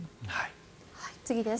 次です。